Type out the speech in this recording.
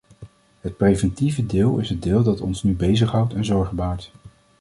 Het preventieve deel is het deel dat ons nu bezighoudt en zorgen baart.